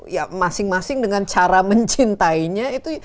ya masing masing dengan cara mencintainya itu